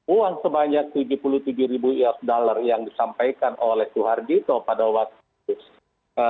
uang sebanyak rp tujuh puluh tujuh usd yang disampaikan oleh soeharni itu pada waktu itu